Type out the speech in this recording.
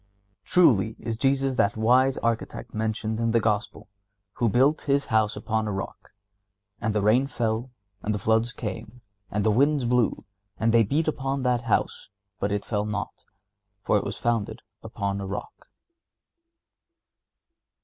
Truly is Jesus that wise Architect mentioned in the Gospel, "who built his house upon a rock; and the rain fell, and the floods came, and the winds blew, and they beat upon that house, and it fell not, for it was founded upon a rock."